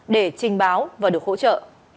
để trình báo và được hỗ trợ